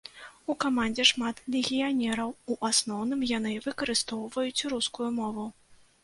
У камандзе шмат легіянераў, у асноўным яны выкарыстоўваюць рускую мову.